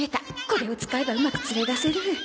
これを使えばうまく連れ出せる！